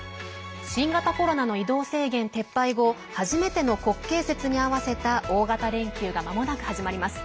新型コロナの移動制限撤廃後初めての国慶節に合わせた大型連休がまもなく始まります。